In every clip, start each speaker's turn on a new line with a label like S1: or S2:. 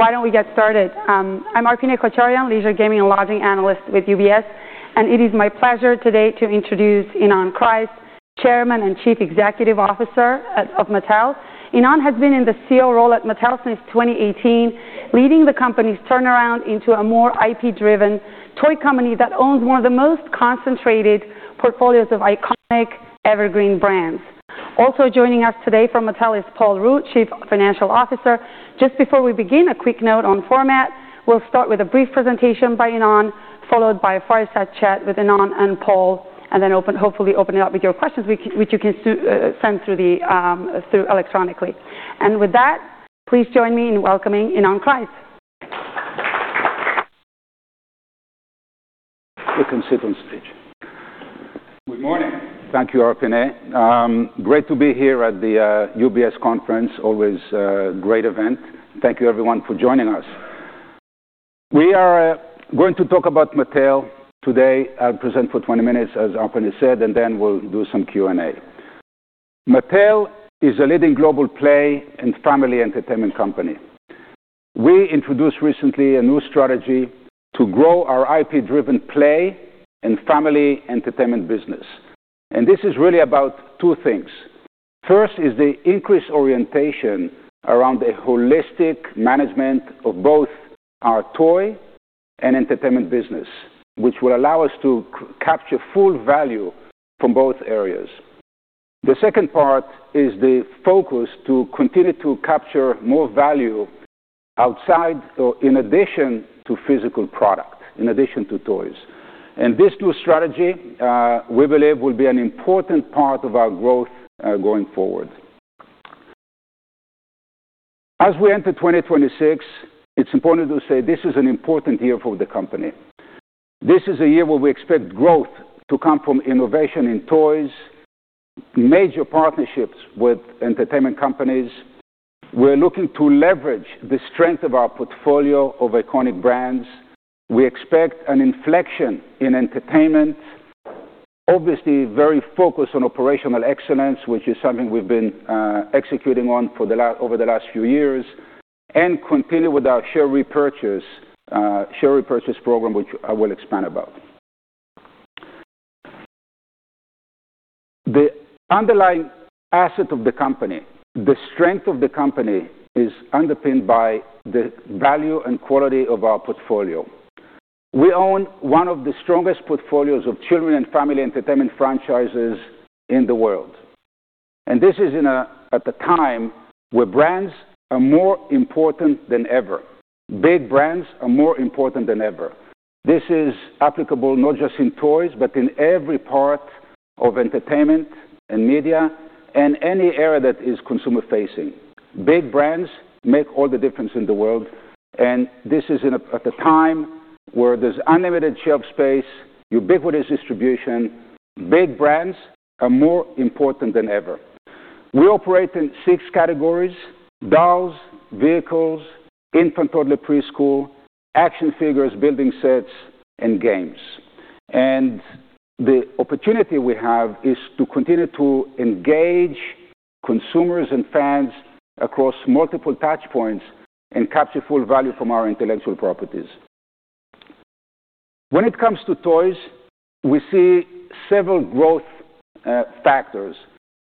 S1: Why don't we get started? I'm Arpiné Kocharyan, Leisure, Gaming, and Lodging analyst with UBS, and it is my pleasure today to introduce Ynon Kreiz, Chairman and Chief Executive Officer of Mattel. Ynon has been in the CEO role at Mattel since 2018, leading the company's turnaround into a more IP-driven toy company that owns one of the most concentrated portfolios of iconic evergreen brands. Also joining us today from Mattel is Anthony DiSilvestro, Chief Financial Officer. Just before we begin, a quick note on format. We'll start with a brief presentation by Ynon, followed by a fireside chat with Ynon and Anthony, and then hopefully open it up with your questions which you can send through electronically. With that, please join me in welcoming Ynon Kreiz.
S2: You can sit on stage. Good morning. Thank you, Arpiné. Great to be here at the UBS conference. Always a great event. Thank you everyone for joining us. We are going to talk about Mattel today. I'll present for 20 minutes, as Arpiné said, and then we'll do some Q&A. Mattel is a leading global play and family entertainment company. We introduced recently a new strategy to grow our IP-driven play and family entertainment business, and this is really about two things. First is the increased orientation around the holistic management of both our toy and entertainment business, which will allow us to capture full value from both areas. The second part is the focus to continue to capture more value outside or in addition to physical product, in addition to toys. These two strategy, we believe, will be an important part of our growth, going forward. As we enter 2026, it's important to say this is an important year for the company. This is a year where we expect growth to come from innovation in toys, major partnerships with entertainment companies. We're looking to leverage the strength of our portfolio of iconic brands. We expect an inflection in entertainment. Obviously very focused on operational excellence, which is something we've been, executing on over the last few years, and continue with our share repurchase program, which I will expand about. The underlying asset of the company, the strength of the company, is underpinned by the value and quality of our portfolio. We own one of the strongest portfolios of children and family entertainment franchises in the world, and this is at a time where brands are more important than ever. Big brands are more important than ever. This is applicable not just in toys, but in every part of entertainment and media and any area that is consumer-facing. Big brands make all the difference in the world, and this is at a time where there's unlimited shelf space, ubiquitous distribution. Big brands are more important than ever. We operate in six categories, dolls, vehicles, infant, toddler, preschool, action figures, building sets, and games. The opportunity we have is to continue to engage consumers and fans across multiple touchpoints and capture full value from our intellectual properties. When it comes to toys, we see several growth factors.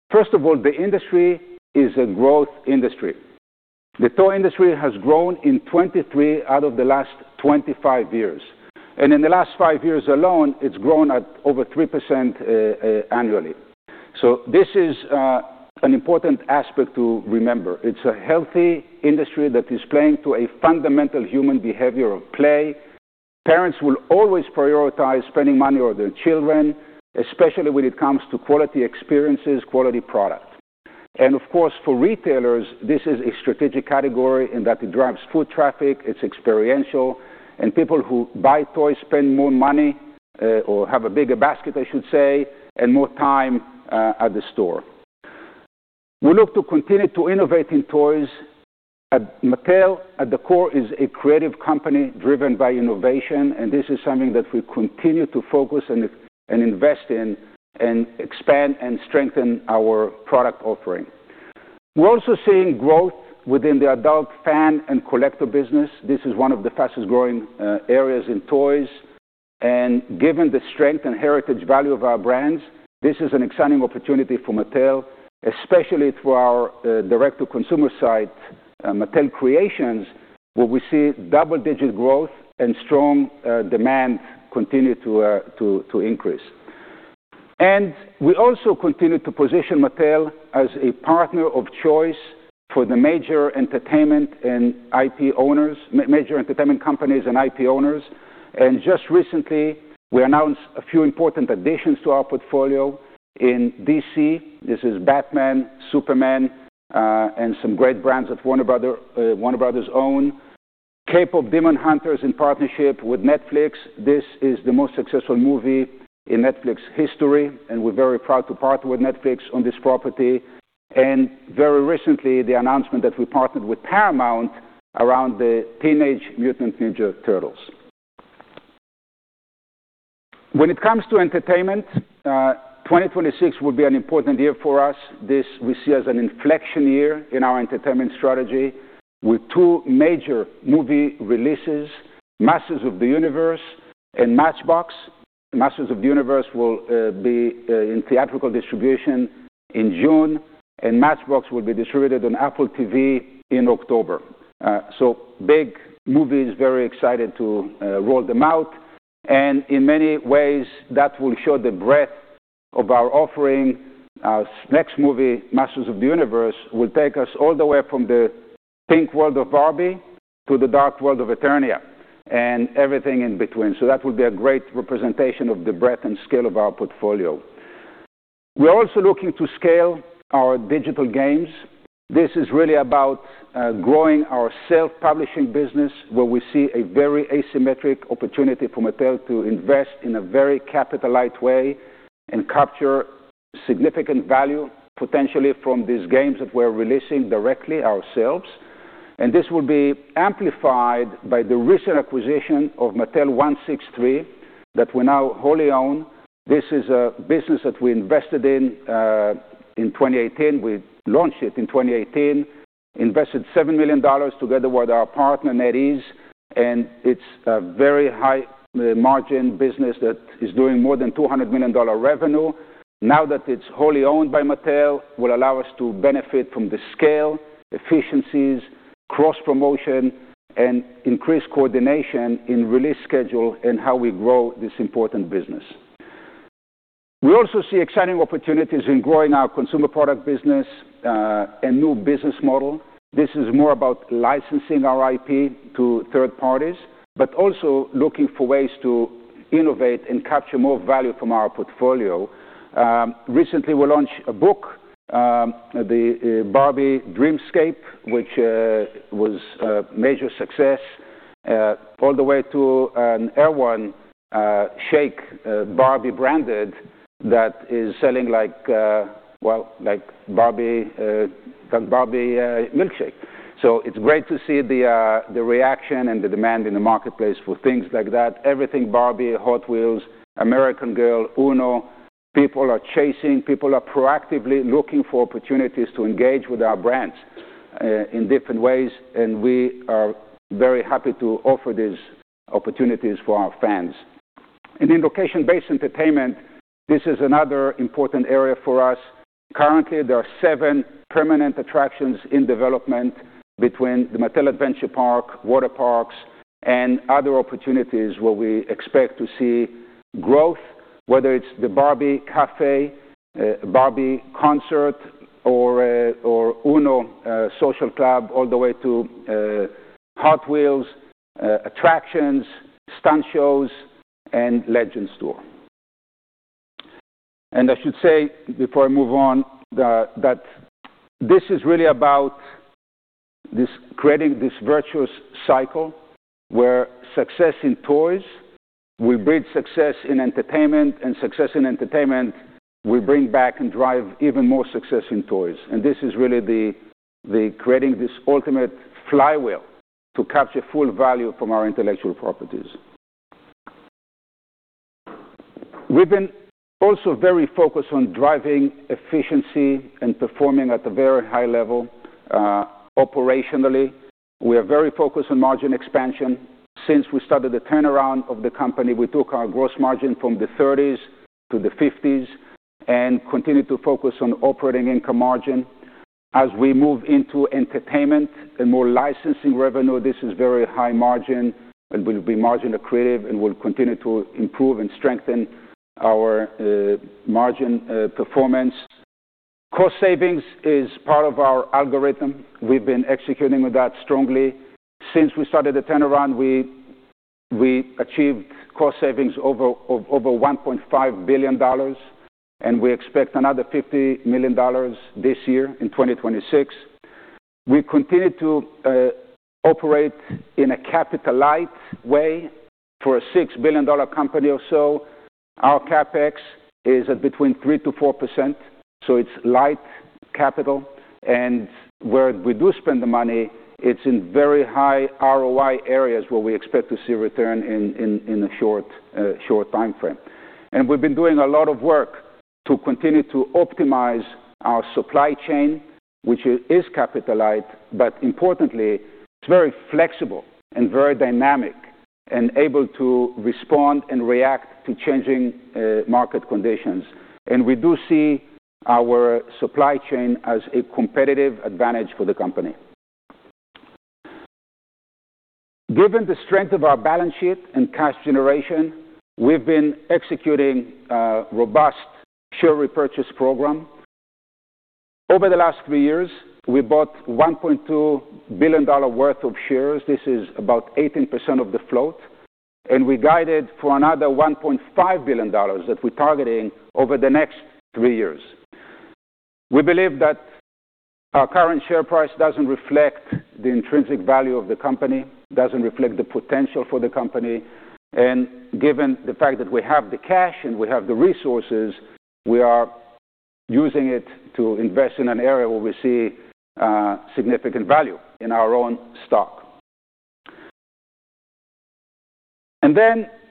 S2: First of all, the industry is a growth industry. The toy industry has grown in 23 out of the last 25 years, and in the last five years alone, it's grown at over 3%, annually. This is an important aspect to remember. It's a healthy industry that is playing to a fundamental human behavior of play. Parents will always prioritize spending money on their children, especially when it comes to quality experiences, quality product. Of course, for retailers, this is a strategic category in that it drives foot traffic, it's experiential, and people who buy toys spend more money, or have a bigger basket I should say, and more time at the store. We look to continue to innovate in toys. At Mattel, at the core is a creative company driven by innovation, and this is something that we continue to focus and invest in and expand and strengthen our product offering. We're also seeing growth within the adult fan and collector business. This is one of the fastest growing areas in toys. Given the strength and heritage value of our brands, this is an exciting opportunity for Mattel, especially through our direct-to-consumer site, Mattel Creations, where we see double-digit growth and strong demand continue to increase. We also continue to position Mattel as a partner of choice for the major entertainment and IP owners, major entertainment companies and IP owners. Just recently, we announced a few important additions to our portfolio in DC. This is Batman, Superman, and some great brands that Warner Bros. own. K-Pop Demon Hunters in partnership with Netflix. This is the most successful movie in Netflix history, and we're very proud to partner with Netflix on this property. Very recently, the announcement that we partnered with Paramount around the Teenage Mutant Ninja Turtles. When it comes to entertainment, 2026 will be an important year for us. This we see as an inflection year in our entertainment strategy with two major movie releases, Masters of the Universe and Matchbox. Masters of the Universe will be in theatrical distribution in June, and Matchbox will be distributed on Apple TV in October. Big movies, very excited to roll them out, and in many ways, that will show the breadth of our offering. Our next movie, Masters of the Universe, will take us all the way from the pink world of Barbie to the dark world of Eternia and everything in between. That will be a great representation of the breadth and scale of our portfolio. We are also looking to scale our digital games. This is really about growing our self-publishing business, where we see a very asymmetric opportunity for Mattel to invest in a very capital-light way and capture significant value potentially from these games that we're releasing directly ourselves. This will be amplified by the recent acquisition of Mattel163 that we now wholly own. This is a business that we invested in in 2018. We launched it in 2018, invested $7 million together with our partner NetEase, and it's a very high margin business that is doing more than $200 million revenue. Now that it's wholly owned by Mattel, will allow us to benefit from the scale, efficiencies, cross-promotion, and increased coordination in release schedule and how we grow this important business. We also see exciting opportunities in growing our consumer product business, and new business model. This is more about licensing our IP to third parties, but also looking for ways to innovate and capture more value from our portfolio. Recently we launched a book, the Barbie Dreamscape, which was a major success, all the way to an Erewhon shake, Barbie branded that is selling like, well, like Barbie milkshake. It's great to see the reaction and the demand in the marketplace for things like that. Everything Barbie, Hot Wheels, American Girl, UNO, people are chasing. People are proactively looking for opportunities to engage with our brands in different ways, and we are very happy to offer these opportunities for our fans. In location-based entertainment, this is another important area for us. Currently, there are seven permanent attractions in development between the Mattel Adventure Park, water parks, and other opportunities where we expect to see growth, whether it's the Barbie Cafe, Barbie Concert or UNO Social Club, all the way to Hot Wheels attractions, stunt shows and Legends Tour. I should say before I move on that this is really about this creating this virtuous cycle where success in toys will breed success in entertainment, and success in entertainment will bring back and drive even more success in toys. This is really the creating this ultimate flywheel to capture full value from our intellectual properties. We've been also very focused on driving efficiency and performing at a very high level operationally. We are very focused on margin expansion. Since we started the turnaround of the company, we took our gross margin from the 30s% to the 50s% and continued to focus on operating income margin. As we move into entertainment and more licensing revenue, this is very high margin and will be margin accretive and will continue to improve and strengthen our margin performance. Cost savings is part of our algorithm. We've been executing with that strongly. Since we started the turnaround, we achieved cost savings of over $1.5 billion, and we expect another $50 million this year in 2026. We continue to operate in a capital-light way for a $6 billion company or so. Our CapEx is at between 3%-4%, so it's light capital. Where we do spend the money, it's in very high ROI areas where we expect to see return in a short timeframe. We've been doing a lot of work to continue to optimize our supply chain, which is capital light, but importantly, it's very flexible and very dynamic and able to respond and react to changing market conditions. We do see our supply chain as a competitive advantage for the company. Given the strength of our balance sheet and cash generation, we've been executing a robust share repurchase program. Over the last three years, we bought $1.2 billion worth of shares. This is about 18% of the float. We guided for another $1.5 billion that we're targeting over the next three years. We believe that our current share price doesn't reflect the intrinsic value of the company, doesn't reflect the potential for the company, and given the fact that we have the cash and we have the resources, we are using it to invest in an area where we see significant value in our own stock.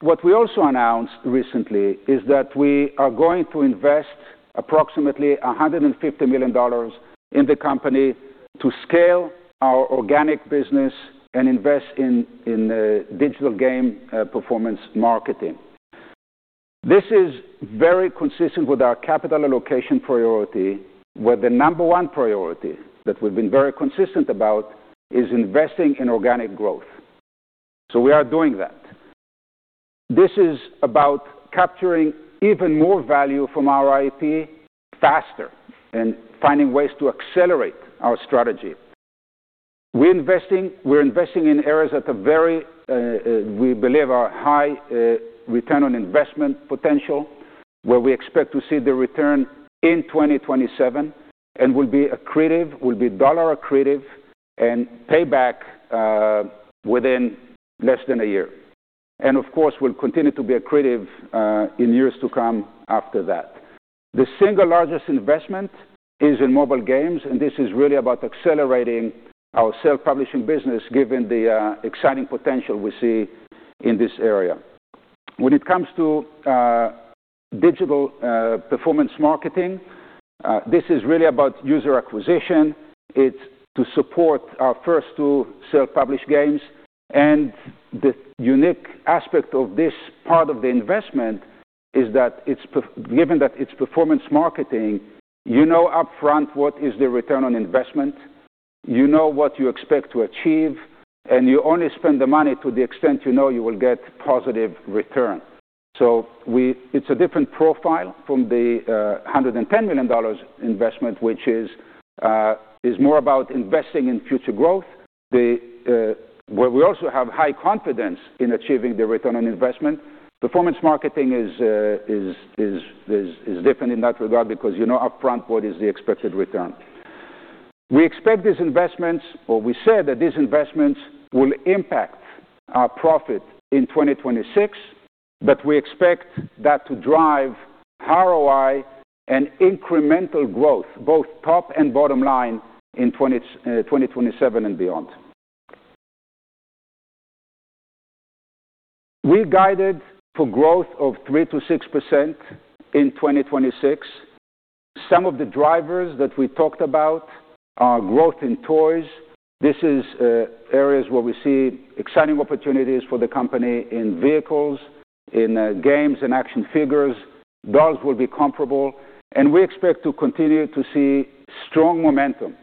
S2: What we also announced recently is that we are going to invest approximately $150 million in the company to scale our organic business and invest in digital game performance marketing. This is very consistent with our capital allocation priority, where the number one priority that we've been very consistent about is investing in organic growth. We are doing that. This is about capturing even more value from our IP faster and finding ways to accelerate our strategy. We're investing in areas we believe are high return on investment potential, where we expect to see the return in 2027 and will be dollar accretive and pay back within less than a year. Of course, we'll continue to be accretive in years to come after that. The single largest investment is in mobile games, and this is really about accelerating our self-publishing business given the exciting potential we see in this area. When it comes to digital performance marketing, this is really about user acquisition. It's to support our first two self-published games. The unique aspect of this part of the investment is that it's given that it's performance marketing, you know upfront what is the return on investment, you know what you expect to achieve, and you only spend the money to the extent you know you will get positive return. It's a different profile from the $110 million investment, which is more about investing in future growth. The one where we also have high confidence in achieving the return on investment. Performance marketing is different in that regard because you know upfront what is the expected return. We expect these investments, or we said that these investments will impact our profit in 2026, but we expect that to drive ROI and incremental growth, both top and bottom line in 2027 and beyond. We guided for growth of 3%-6% in 2026. Some of the drivers that we talked about are growth in toys. This is, areas where we see exciting opportunities for the company in vehicles, in, games and action figures. Dolls will be comparable. We expect to continue to see strong momentum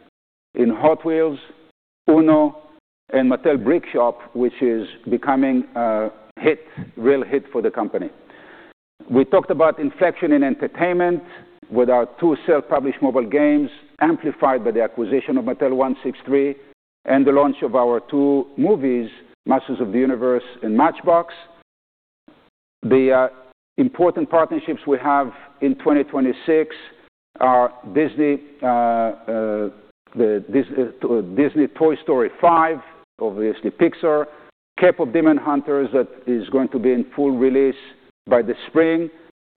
S2: in Hot Wheels, UNO, and Mattel Brick Shop, which is becoming a hit, real hit for the company. We talked about inflection in entertainment with our two self-published mobile games amplified by the acquisition of Mattel163 and the launch of our two movies, Masters of the Universe and Matchbox. The important partnerships we have in 2026 are Disney, the Disney Toy Story 5, obviously Pixar, K-Pop Demon Hunters that is going to be in full release by the spring,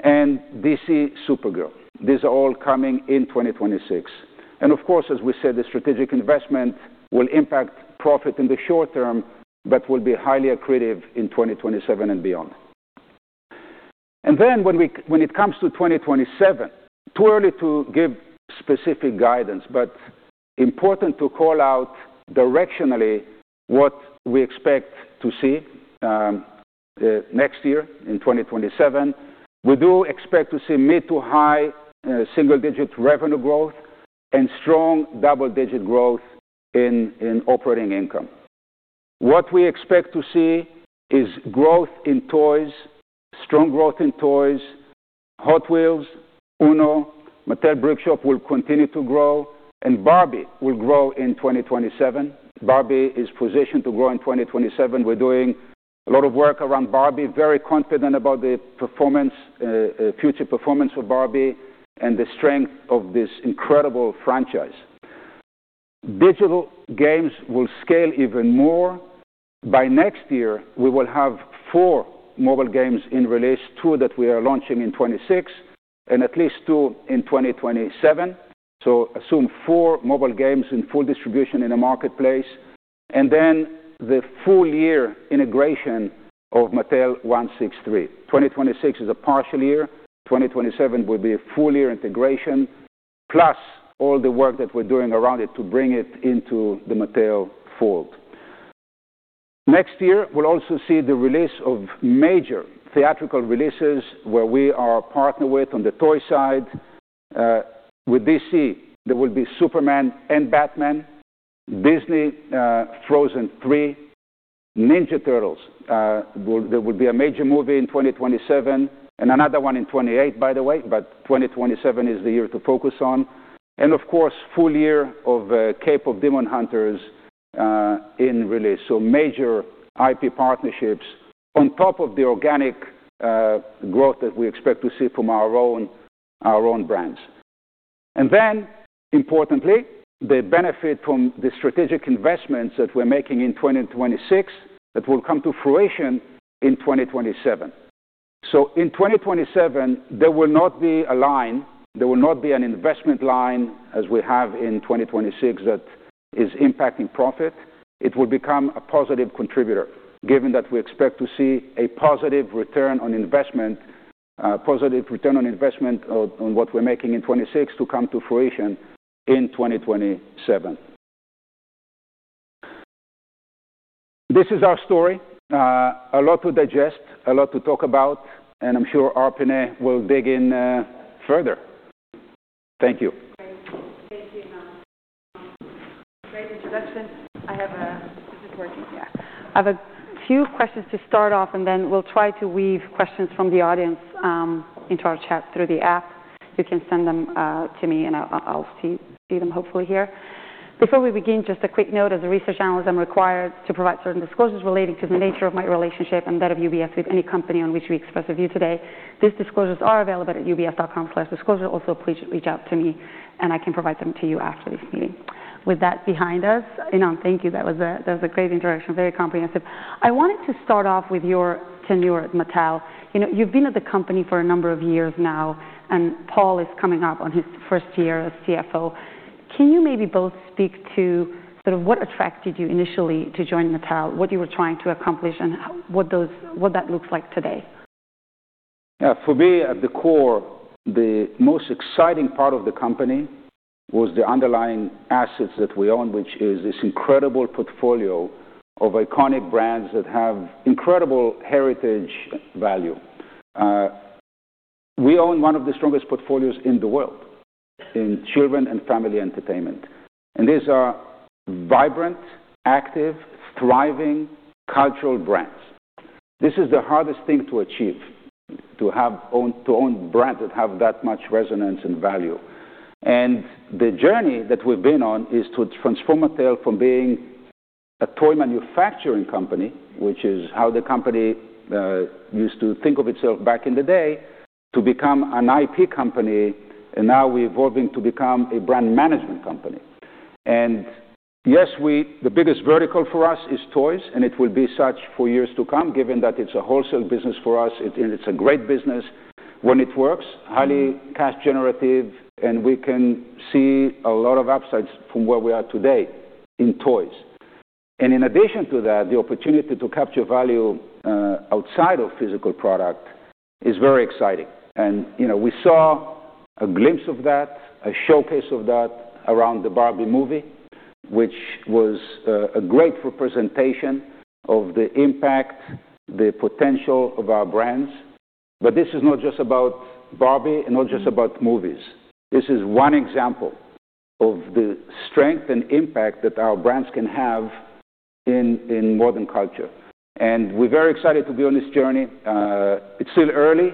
S2: and DC Supergirl. These are all coming in 2026. Of course, as we said, the strategic investment will impact profit in the short term, but will be highly accretive in 2027 and beyond. When it comes to 2027, too early to give specific guidance, but important to call out directionally what we expect to see next year in 2027. We do expect to see mid- to high-single-digit revenue growth and strong double-digit growth in operating income. What we expect to see is growth in toys, strong growth in toys, Hot Wheels, UNO, Mattel Brick Shop will continue to grow, and Barbie will grow in 2027. Barbie is positioned to grow in 2027. We're doing a lot of work around Barbie. Very confident about the performance, future performance of Barbie and the strength of this incredible franchise. Digital games will scale even more. By next year, we will have four mobile games in release, two that we are launching in 2026 and at least two in 2027. Assume four mobile games in full distribution in the marketplace. The full year integration of Mattel163. 2026 is a partial year. 2027 will be a full year integration, plus all the work that we're doing around it to bring it into the Mattel fold. Next year, we'll also see the release of major theatrical releases where we are partners with on the toy side. With DC, there will be Superman and Batman, Disney, Frozen 3, Ninja Turtles. There will be a major movie in 2027 and another one in 2028, by the way, but 2027 is the year to focus on. Of course, full year of K-Pop Demon Hunters in release. Major IP partnerships on top of the organic growth that we expect to see from our own brands. Then importantly, the benefit from the strategic investments that we're making in 2026 that will come to fruition in 2027. In 2027, there will not be a line, there will not be an investment line as we have in 2026 that is impacting profit. It will become a positive contributor, given that we expect to see a positive return on investment on what we're making in 2026 to come to fruition in 2027. This is our story. A lot to digest, a lot to talk about, and I'm sure Arpiné will dig in further. Thank you.
S1: Great. Thank you, Ynon. Great introduction. Is it working? Yeah. I have a few questions to start off, and then we'll try to weave questions from the audience into our chat through the app. You can send them to me, and I'll see them hopefully here. Before we begin, just a quick note. As a research analyst, I'm required to provide certain disclosures relating to the nature of my relationship and that of UBS with any company on which we express a view today. These disclosures are available at UBS.com/disclosure. Also, please reach out to me, and I can provide them to you after this meeting. With that behind us, Ynon, thank you. That was a great introduction. Very comprehensive. I wanted to start off with your tenure at Mattel. You know, you've been at the company for a number of years now, and Anthony is coming up on his first year as CFO. Can you maybe both speak to sort of what attracted you initially to join Mattel, what you were trying to accomplish, and what that looks like today?
S2: Yeah. For me, at the core, the most exciting part of the company was the underlying assets that we own, which is this incredible portfolio of iconic brands that have incredible heritage value. We own one of the strongest portfolios in the world in children and family entertainment. These are vibrant, active, thriving cultural brands. This is the hardest thing to achieve, to own brands that have that much resonance and value. The journey that we've been on is to transform Mattel from being a toy manufacturing company, which is how the company used to think of itself back in the day, to become an IP company, and now we're evolving to become a brand management company. Yes, the biggest vertical for us is toys, and it will be such for years to come, given that it's a wholesale business for us. It's a great business when it works, highly cash generative, and we can see a lot of upsides from where we are today in toys. In addition to that, the opportunity to capture value outside of physical product is very exciting. You know, we saw a glimpse of that, a showcase of that around the Barbie movie, which was a great representation of the impact, the potential of our brands. This is not just about Barbie and not just about movies. This is one example of the strength and impact that our brands can have in modern culture. We're very excited to be on this journey. It's still early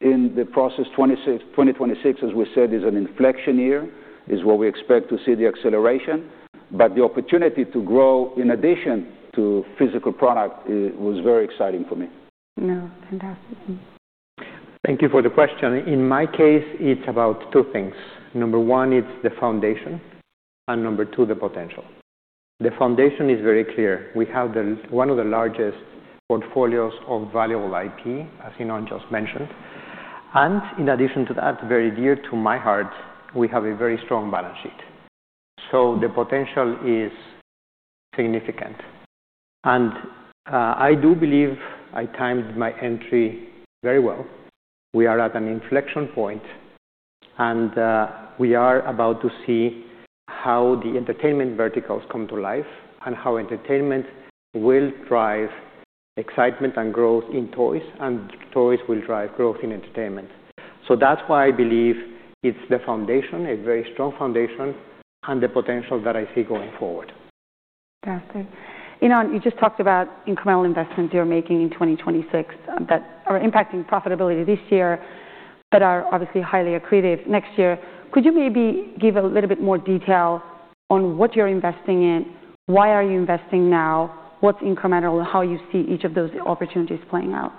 S2: in the process. 2026, as we said, is an inflection year. It is where we expect to see the acceleration. The opportunity to grow in addition to physical product is very exciting for me.
S1: No, fantastic. Mm-hmm.
S3: Thank you for the question. In my case, it's about two things. Number one, it's the foundation, and number two, the potential. The foundation is very clear. We have one of the largest portfolios of valuable IP, as Ynon just mentioned. In addition to that, very dear to my heart, we have a very strong balance sheet. The potential is significant. I do believe I timed my entry very well. We are at an inflection point, and we are about to see how the entertainment verticals come to life and how entertainment will drive excitement and growth in toys, and toys will drive growth in entertainment. That's why I believe it's the foundation, a very strong foundation, and the potential that I see going forward.
S1: Fantastic. Ynon, you just talked about incremental investments you're making in 2026 that are impacting profitability this year but are obviously highly accretive next year. Could you maybe give a little bit more detail on what you're investing in? Why are you investing now? What's incremental? How you see each of those opportunities playing out?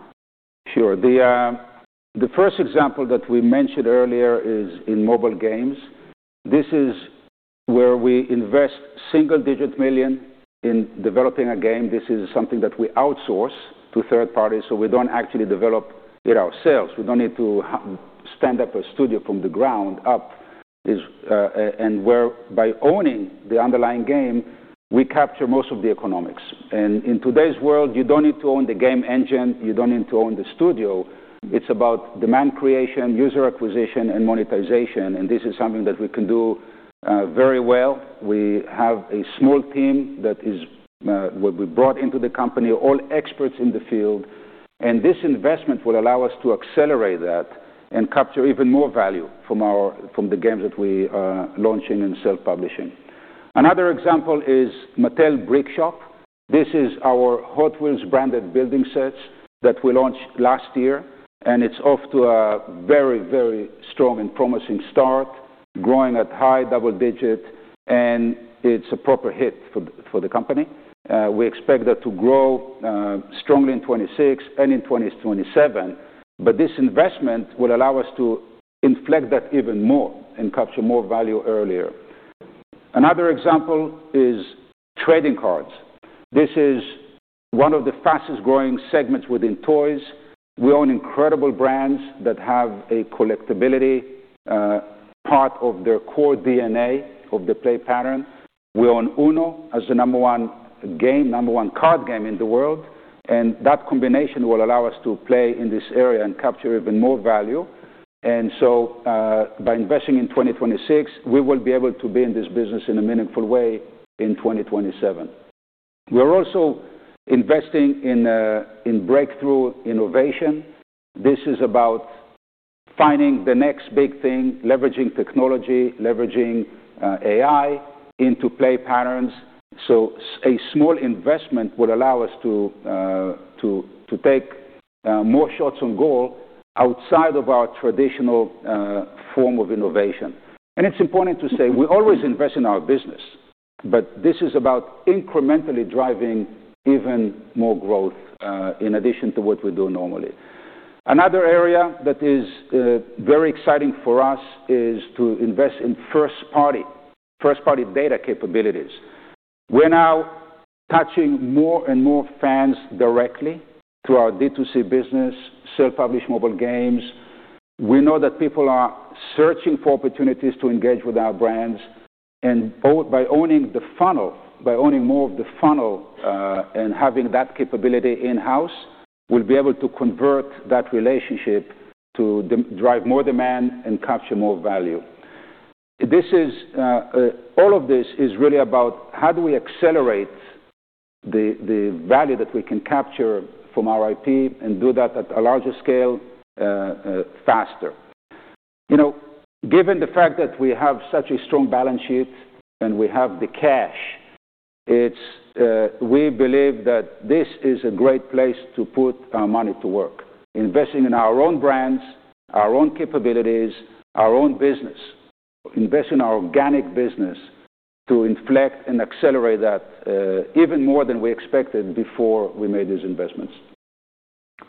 S2: Sure. The first example that we mentioned earlier is in mobile games. This is where we invest $1 million-$9 million in developing a game. This is something that we outsource to third parties, so we don't actually develop it ourselves. We don't need to stand up a studio from the ground up, whereby owning the underlying game, we capture most of the economics. In today's world, you don't need to own the game engine, you don't need to own the studio. It's about demand creation, user acquisition, and monetization, and this is something that we can do very well. We have a small team that is what we brought into the company, all experts in the field, and this investment will allow us to accelerate that and capture even more value from the games that we are launching and self-publishing. Another example is Mattel Brick Shop. This is our Hot Wheels branded building sets that we launched last year, and it's off to a very, very strong and promising start, growing at high double digit, and it's a proper hit for the company. We expect that to grow strongly in 2026 and in 2027, but this investment will allow us to inflect that even more and capture more value earlier. Another example is trading cards. This is one of the fastest-growing segments within toys. We own incredible brands that have a collectibility part of their core DNA of the play pattern. We own UNO as the number one game, number one card game in the world, and that combination will allow us to play in this area and capture even more value. By investing in 2026, we will be able to be in this business in a meaningful way in 2027. We're also investing in breakthrough innovation. This is about finding the next big thing, leveraging technology, leveraging AI into play patterns. A small investment will allow us to take more shots on goal outside of our traditional form of innovation. It's important to say we always invest in our business, but this is about incrementally driving even more growth in addition to what we do normally. Another area that is very exciting for us is to invest in first-party data capabilities. We're now touching more and more fans directly through our D2C business, self-published mobile games. We know that people are searching for opportunities to engage with our brands, and both by owning the funnel, by owning more of the funnel, and having that capability in-house, we'll be able to convert that relationship to drive more demand and capture more value. This is all of this is really about how do we accelerate the value that we can capture from our IP and do that at a larger scale, faster. You know, given the fact that we have such a strong balance sheet and we have the cash, it's we believe that this is a great place to put our money to work, investing in our own brands, our own capabilities, our own business. Invest in our organic business to inflect and accelerate that, even more than we expected before we made these investments.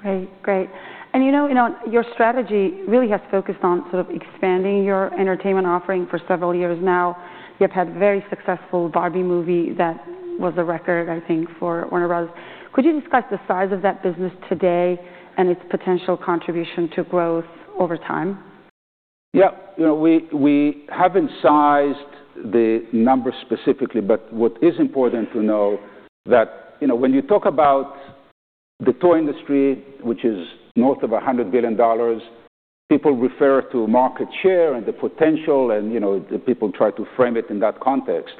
S1: Great. You know, your strategy really has focused on sort of expanding your entertainment offering for several years now. You have had very successful Barbie movie that was a record, I think, for Warner Bros. Could you discuss the size of that business today and its potential contribution to growth over time?
S2: Yeah. You know, we haven't sized the numbers specifically, but what is important to know that, you know, when you talk about the toy industry, which is north of $100 billion, people refer to market share and the potential and, you know, the people try to frame it in that context.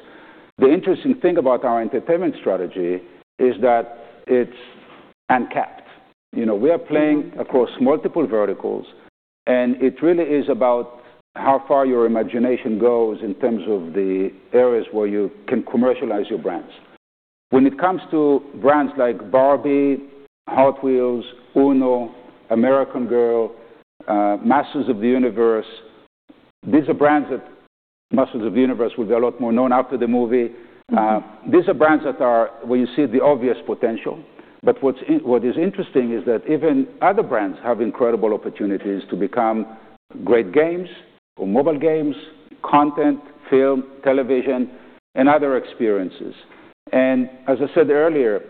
S2: The interesting thing about our entertainment strategy is that it's uncapped. You know, we are playing across multiple verticals, and it really is about how far your imagination goes in terms of the areas where you can commercialize your brands. When it comes to brands like Barbie, Hot Wheels, UNO, American Girl, Masters of the Universe, these are brands that Masters of the Universe will be a lot more known after the movie.
S1: Mm-hmm.
S2: These are brands that are where you see the obvious potential. What is interesting is that even other brands have incredible opportunities to become great games or mobile games, content, film, television, and other experiences. As I said earlier,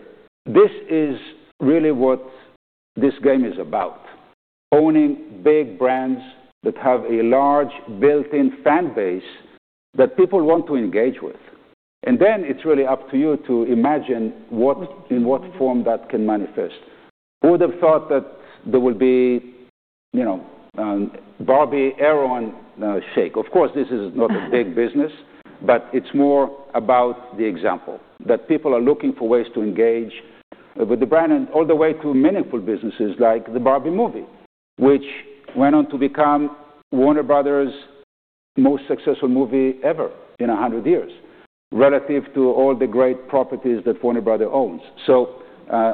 S2: this is really what this game is about, owning big brands that have a large built-in fan base that people want to engage with. Then it's really up to you to imagine what.
S1: Mm-hmm.
S2: In what form that can manifest. Who would have thought that there will be, you know, Barbie Erewhon Shake? Of course, this is not a big business, but it's more about the example that people are looking for ways to engage with the brand and all the way to meaningful businesses like the Barbie movie, which went on to become Warner Bros.' most successful movie ever in 100 years, relative to all the great properties that Warner Bros. owns.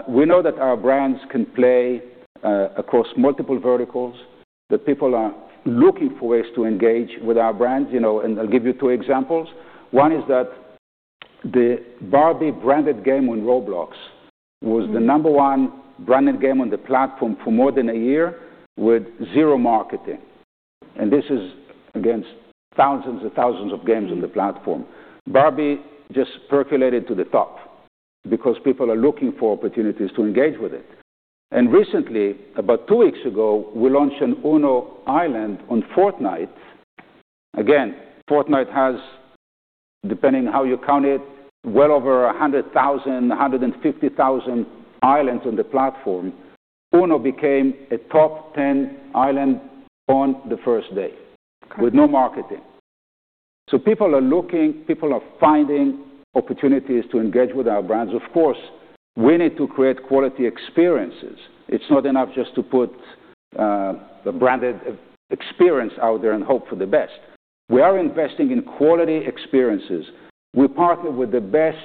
S2: We know that our brands can play across multiple verticals, that people are looking for ways to engage with our brands, you know, and I'll give you two examples. One is that the Barbie branded game on Roblox was the number one branded game on the platform for more than a year with zero marketing. This is against thousands and thousands of games on the platform. Barbie just percolated to the top because people are looking for opportunities to engage with it. Recently, about two weeks ago, we launched an UNO Royale on Fortnite. Again, Fortnite has, depending on how you count it, well over 100,000 islands, 150,000 islands on the platform. UNO became a top 10 island on the first day.
S1: Okay.
S2: With no marketing. People are looking, people are finding opportunities to engage with our brands. Of course, we need to create quality experiences. It's not enough just to put a branded experience out there and hope for the best. We are investing in quality experiences. We partner with the best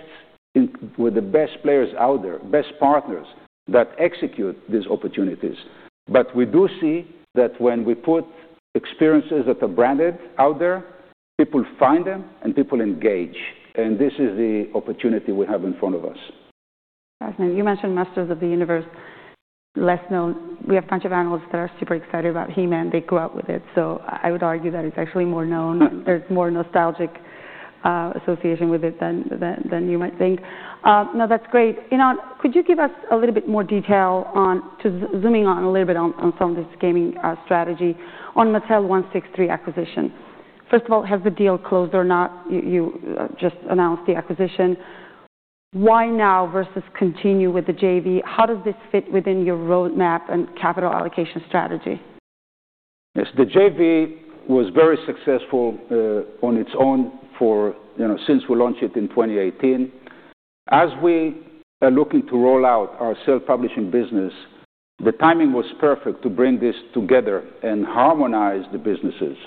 S2: players out there, best partners that execute these opportunities. We do see that when we put experiences that are branded out there, people find them and people engage, and this is the opportunity we have in front of us.
S1: Fascinating. You mentioned Masters of the Universe less known. We have a bunch of analysts that are super excited about He-Man. They grew up with it. I would argue that it's actually more known or it's more nostalgic association with it than you might think. No, that's great. You know, could you give us a little bit more detail on zooming on a little bit on some of this gaming strategy on Mattel163 acquisition? First of all, has the deal closed or not? You just announced the acquisition. Why now versus continue with the JV? How does this fit within your roadmap and capital allocation strategy?
S2: Yes. The JV was very successful on its own for, you know, since we launched it in 2018. As we are looking to roll out our self-publishing business, the timing was perfect to bring this together and harmonize the businesses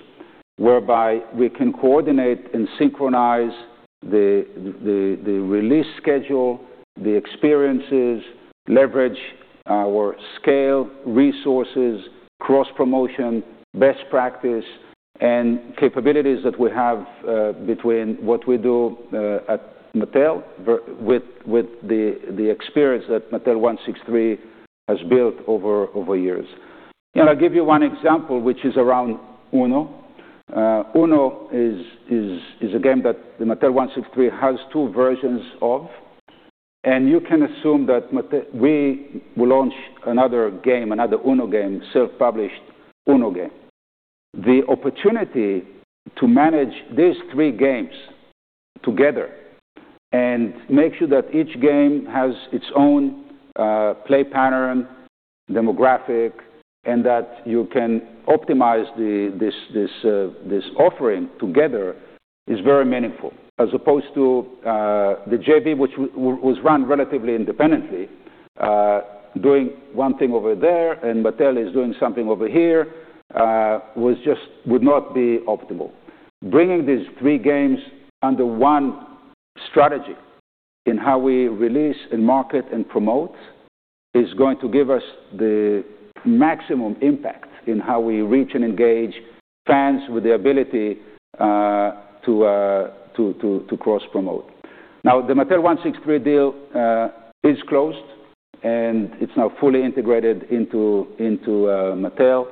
S2: whereby we can coordinate and synchronize the release schedule, the experiences, leverage our scale, resources, cross-promotion, best practice, and capabilities that we have between what we do at Mattel with the experience that Mattel163 has built over years. I'll give you one example, which is around UNO. UNO is a game that Mattel163 has two versions of, and you can assume that we will launch another game, another UNO game, self-published UNO game. The opportunity to manage these three games together and make sure that each game has its own play pattern, demographic, and that you can optimize this offering together is very meaningful as opposed to the JV, which was run relatively independently, doing one thing over there, and Mattel is doing something over here, would not be optimal. Bringing these three games under one strategy in how we release and market and promote is going to give us the maximum impact in how we reach and engage fans with the ability to cross-promote. Now, the Mattel163 deal is closed, and it's now fully integrated into Mattel.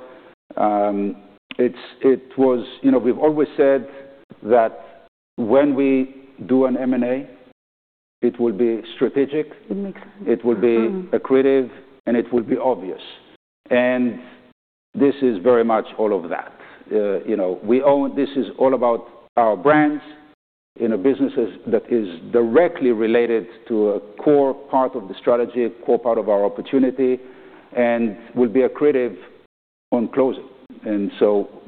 S2: You know, we've always said that when we do an M&A, it will be strategic-
S1: It makes.
S2: It will be accretive, and it will be obvious. This is very much all of that. You know, this is all about our brands in a business that is directly related to a core part of the strategy, a core part of our opportunity, and will be accretive on closing.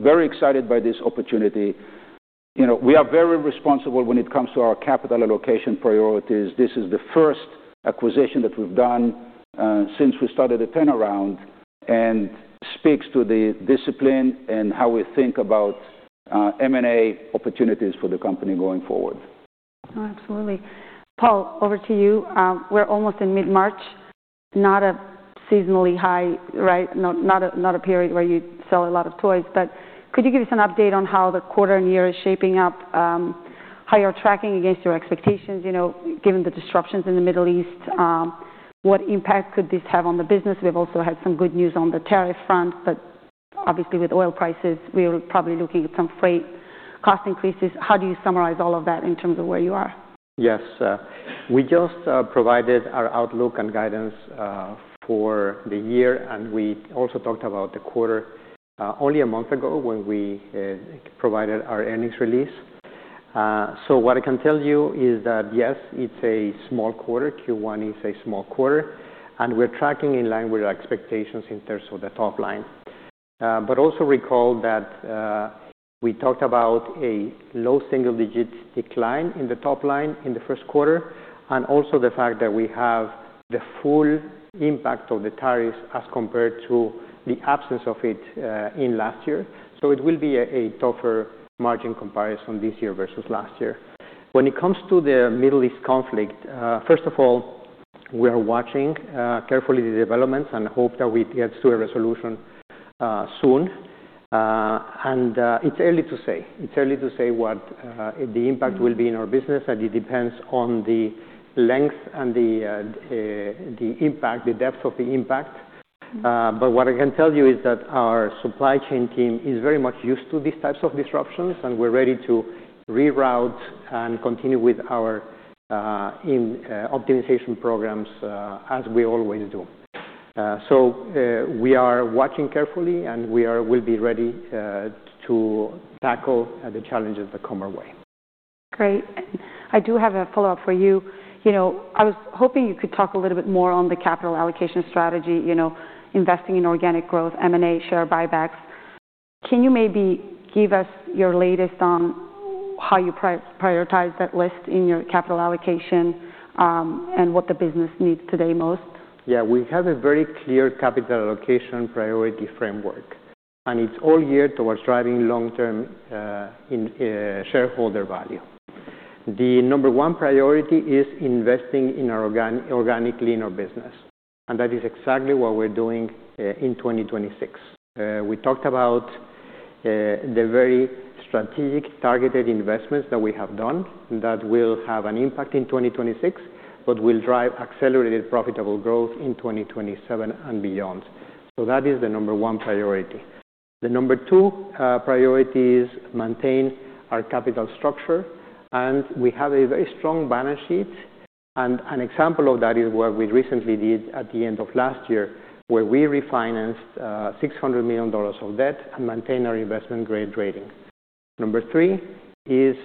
S2: Very excited by this opportunity. You know, we are very responsible when it comes to our capital allocation priorities. This is the first acquisition that we've done, since we started the turnaround and speaks to the discipline and how we think about, M&A opportunities for the company going forward.
S1: Oh, absolutely. Anthony, over to you. We're almost in mid-March, not a seasonally high, right? Not a period where you sell a lot of toys, but could you give us an update on how the quarter and year is shaping up, how you're tracking against your expectations, you know, given the disruptions in the Middle East? What impact could this have on the business? We've also had some good news on the tariff front, but obviously with oil prices, we're probably looking at some freight cost increases. How do you summarize all of that in terms of where you are?
S3: Yes. We just provided our outlook and guidance for the year, and we also talked about the quarter only a month ago when we provided our earnings release. What I can tell you is that yes, it's a small quarter. Q1 is a small quarter, and we're tracking in line with our expectations in terms of the top line. Also recall that we talked about a low single-digit decline in the top line in the Q1 and also the fact that we have the full impact of the tariffs as compared to the absence of it in last year. It will be a tougher margin comparison this year versus last year. When it comes to the Middle East conflict, first of all, we are watching carefully the developments and hope that we get to a resolution soon. It's early to say what the impact will be in our business, and it depends on the length and the impact, the depth of the impact. But what I can tell you is that our supply chain team is very much used to these types of disruptions, and we're ready to reroute and continue with our optimization programs as we always do. We are watching carefully, and we'll be ready to tackle the challenges that come our way.
S1: Great. I do have a follow-up for you. You know, I was hoping you could talk a little bit more on the capital allocation strategy, you know, investing in organic growth, M&A, share buybacks. Can you maybe give us your latest on how you prioritize that list in your capital allocation, and what the business needs today most?
S3: Yeah. We have a very clear capital allocation priority framework, and it's all geared towards driving long-term shareholder value. The number one priority is investing organically in our business, and that is exactly what we're doing in 2026. We talked about the very strategic targeted investments that we have done that will have an impact in 2026, but will drive accelerated profitable growth in 2027 and beyond. That is the number one priority. The number two priority is to maintain our capital structure, and we have a very strong balance sheet. An example of that is what we recently did at the end of last year, where we refinanced $600 million of debt and maintained our investment-grade rating. Number three is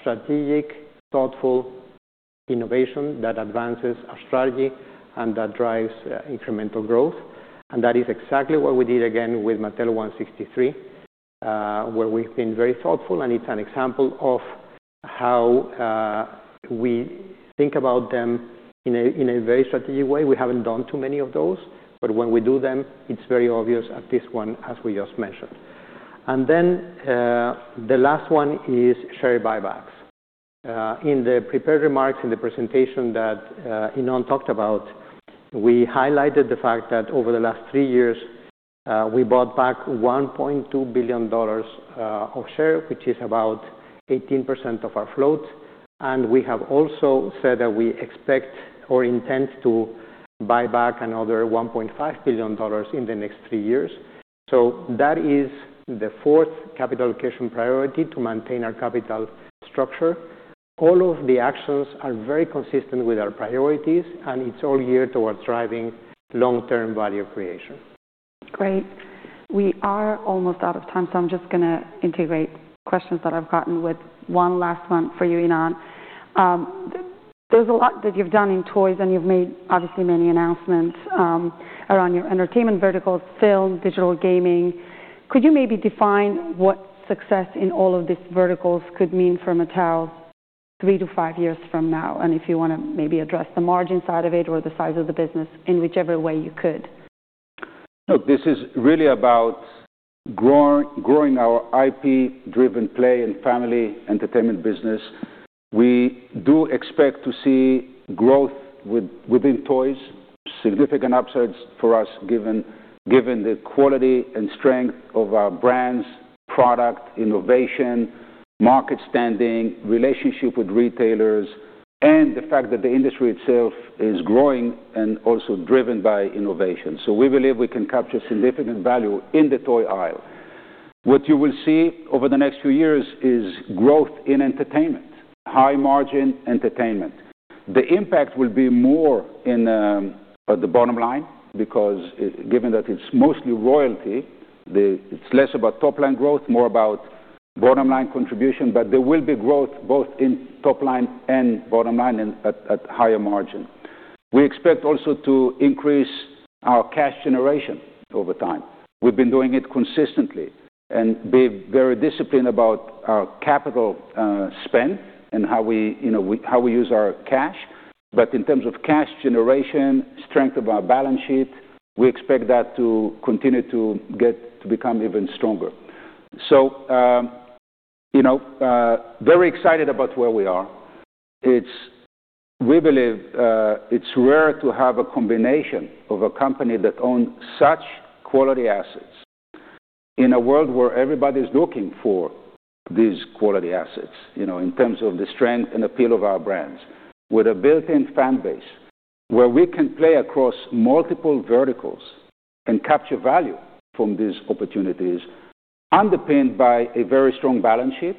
S3: strategic, thoughtful innovation that advances our strategy and that drives incremental growth. That is exactly what we did, again, with Mattel163, where we've been very thoughtful, and it's an example of how we think about them in a very strategic way. We haven't done too many of those, but when we do them, it's very obvious at this one, as we just mentioned. The last one is share buybacks. In the prepared remarks, in the presentation that Ynon talked about, we highlighted the fact that over the last three years, we bought back $1.2 billion of shares, which is about 18% of our float. We have also said that we expect or intend to buy back another $1.5 billion in the next three years. That is the fourth capital allocation priority, to maintain our capital structure. All of the actions are very consistent with our priorities, and it's all geared towards driving long-term value creation.
S1: Great. We are almost out of time, so I'm just gonna integrate questions that I've gotten with one last one for you, Ynon. There's a lot that you've done in toys, and you've made, obviously, many announcements, around your entertainment verticals, film, digital gaming. Could you maybe define what success in all of these verticals could mean for Mattel three years-five years from now? If you wanna maybe address the margin side of it or the size of the business in whichever way you could.
S2: Look, this is really about growing our IP-driven play and family entertainment business. We do expect to see growth within toys, significant upsides for us, given the quality and strength of our brands, product innovation, market standing, relationship with retailers, and the fact that the industry itself is growing and also driven by innovation. We believe we can capture significant value in the toy aisle. What you will see over the next few years is growth in entertainment, high margin entertainment. The impact will be more at the bottom line because, given that it's mostly royalty, it's less about top-line growth, more about bottom line contribution. There will be growth both in top line and bottom line and at higher margin. We expect also to increase our cash generation over time. We've been doing it consistently and be very disciplined about our capital spend and how we, you know, how we use our cash. In terms of cash generation, strength of our balance sheet, we expect that to continue to get to become even stronger. You know, very excited about where we are. We believe it's rare to have a combination of a company that owns such quality assets in a world where everybody's looking for these quality assets, you know, in terms of the strength and appeal of our brands, with a built-in fan base where we can play across multiple verticals and capture value from these opportunities, underpinned by a very strong balance sheet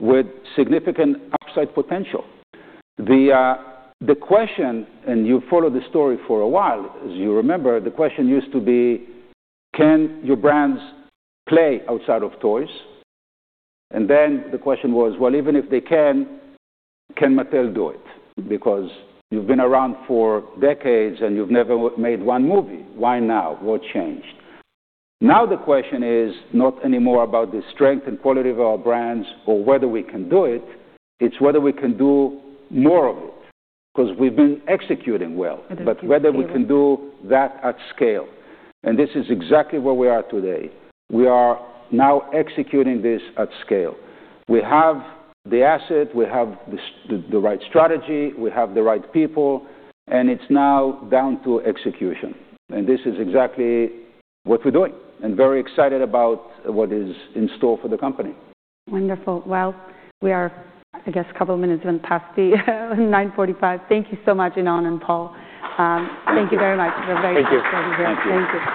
S2: with significant upside potential. The question, and you followed the story for a while, as you remember, the question used to be: Can your brands play outside of toys? The question was, well, even if they can Mattel do it? Because you've been around for decades, and you've never made one movie. Why now? What changed? Now the question is not anymore about the strength and quality of our brands or whether we can do it. It's whether we can do more of it, because we've been executing well, but whether we can do that at scale. This is exactly where we are today. We are now executing this at scale. We have the asset, we have the right strategy, we have the right people, and it's now down to execution. This is exactly what we're doing and very excited about what is in store for the company.
S1: Wonderful. Well, we are, I guess, a couple of minutes even past the 9:45 A.M. Thank you so much, Ynon and Anthony. Thank you very much for a very interesting event.
S3: Thank you.
S1: Thank you.